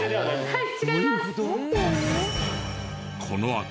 はい。